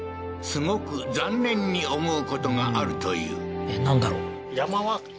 すごく残念に思うことがあるというなんだろう？